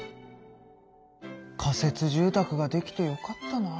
仮設住宅ができてよかったなあ。